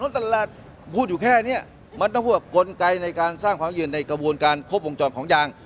ตลาดพูดอยู่แค่นี้มันต้องพูดว่ากลไกในการสร้างความยืนในกระบวนการครบวงจรของยาง